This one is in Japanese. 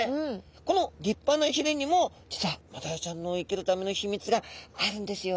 この立派なひれにも実はマダイちゃんの生きるための秘密があるんですよ。